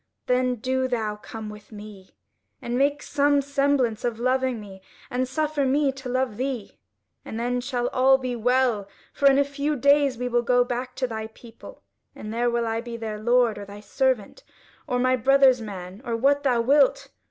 Then do thou come with me, and make some semblance of loving me, and suffer me to love thee. And then shall all be well, for in a few days we will go back to thy people, and there will I be their lord or thy servant, or my brother's man, or what thou wilt.